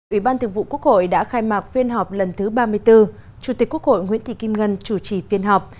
ủy ban thường vụ quốc hội đã khai mạc phiên họp lần thứ ba mươi bốn chủ tịch quốc hội nguyễn thị kim ngân chủ trì phiên họp